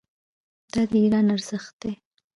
دا د ایران ارزښت دی.